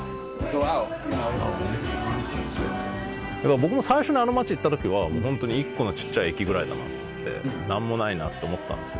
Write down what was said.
僕も最初にあの町行った時はホントに一個の小っちゃい駅ぐらいだなと思って何もないなと思ってたんですよ。